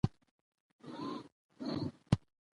تودوخه د افغان کورنیو د دودونو یو مهم عنصر دی.